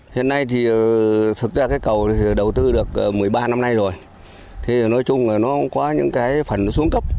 hiện nay thực ra cầu đầu tư được một mươi ba năm nay rồi nói chung là nó có những phần xuống cấp